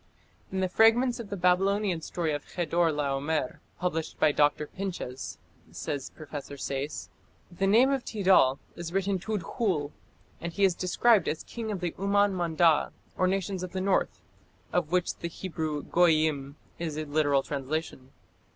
"In the fragments of the Babylonian story of Chedor laomer published by Dr. Pinches", says Professor Sayce, "the name of Tid^{c}al is written Tudkhul, and he is described as King of the Umman Manda, or Nations of the North, of which the Hebrew Goyyim is a literal translation.